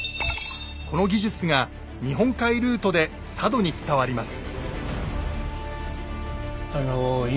この技術が日本海ルートで佐渡に伝わります。